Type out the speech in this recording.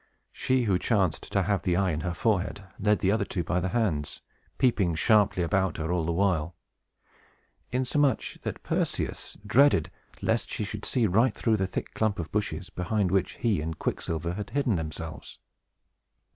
She who chanced to have the eye in her forehead led the other two by the hands, peeping sharply about her, all the while; insomuch that Perseus dreaded lest she should see right through the thick clump of bushes behind which he and Quicksilver had hidden themselves.